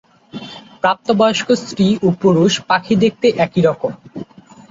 প্রাপ্তবয়স্ক স্ত্রী ও পুরুষ পাখি দেখতে একই রকম।